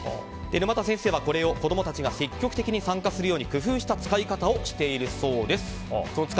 沼田先生はこれを子供たちが積極的に参加するように工夫した使い方をしているそうです。